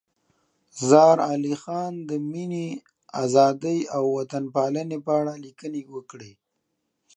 زار علي خان د مینې، ازادۍ او وطن پالنې په اړه لیکنې وکړې.